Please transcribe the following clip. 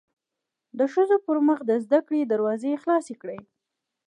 د ښځو پرمخ د زده کړو دروازې خلاصې کړی